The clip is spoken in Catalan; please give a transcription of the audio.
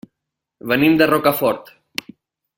Venim de Rocafort.